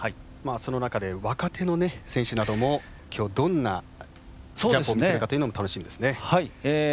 その中で若手の選手なども今日、どんなジャンプを見せるかというのも楽しみですね。